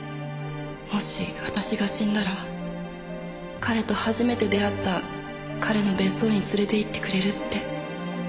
「もし私が死んだら彼と初めて出会った彼の別荘につれていってくれるって」